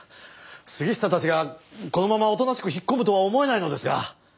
杉下たちがこのままおとなしく引っ込むとは思えないのですが。